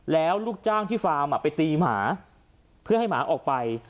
แล้วลูกจ้างที่ฟาร์มไปตีหมาเพื่อให้หมาออกไป